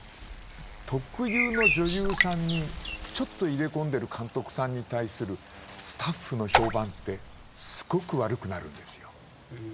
特有の女優さんにちょっと入れ込んでいる監督さんに対するスタッフの評判ってすごく悪くなるんですよ。